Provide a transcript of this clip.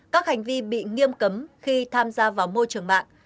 các hành vi bị nghiêm cấm khi tham gia vào môi trường mạng